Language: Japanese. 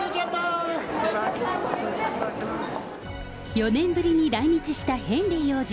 ４年ぶりに来日したヘンリー王子。